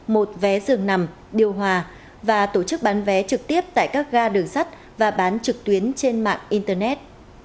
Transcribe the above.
một vé dường nằm điều hòa và tổ chức bán vé trực tiếp tại các ga đường sắt và bán trực tuyến trên mạng internet